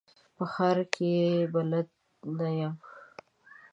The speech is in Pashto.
په ښار کي بلد نه یم .